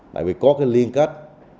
bởi vì có liên kết